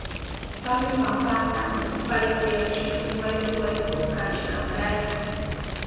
Pablo pampanta parihuyachihun wayku wayku kashkanrayku.